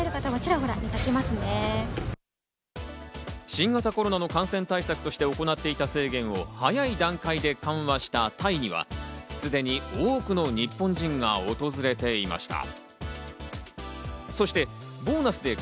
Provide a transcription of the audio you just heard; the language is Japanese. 新型コロナの感染対策として行っていた制限を早い段階で緩和したタイにはすでに多くの日本人が訪れていました。